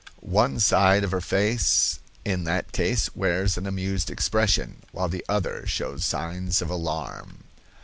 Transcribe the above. One side of her face in that case wears an amused expression, while the other shows signs of alarm.